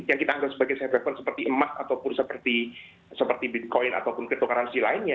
yang kita anggap sebagai safe haven seperti emas ataupun seperti bitcoin ataupun cryptocurrency lainnya